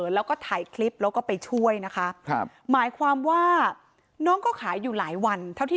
แล้วก็ถ่ายคลิปแล้วก็ไปช่วยนะคะครับหมายความว่า